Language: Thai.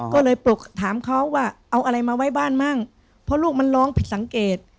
ก็เลยปลุกถามเขาว่าเอาอะไรมาไว้บ้านมั่งเพราะลูกมันร้องผิดสังเกต